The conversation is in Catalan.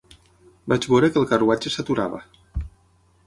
Vaig veure que el carruatge s'aturava.